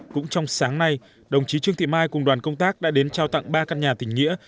cũng trong sáng nay đồng chí trương thị mai cùng đoàn công tác đã đến trao tặng ba căn nhà tình nghĩa